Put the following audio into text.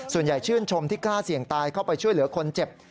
ชื่นชมที่กล้าเสี่ยงตายเข้าไปช่วยเหลือคนเจ็บ